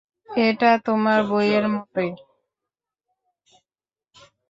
এটা তোমার বইয়ের মতোই।